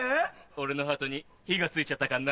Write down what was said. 俺のハートに火が付いちゃったかんな。